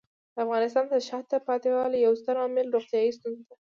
د افغانستان د شاته پاتې والي یو ستر عامل روغتیايي ستونزې دي.